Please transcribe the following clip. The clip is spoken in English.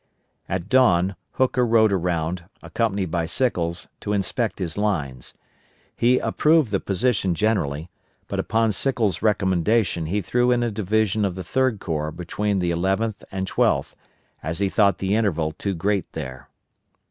At dawn Hooker rode around, accompanied by Sickles, to inspect his lines. He approved the position generally, but upon Sickles' recommendation he threw in a division of the Third Corps between the Eleventh and Twelfth, as he thought the interval too great there.